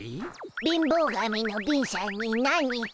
貧乏神の貧しゃんに何か？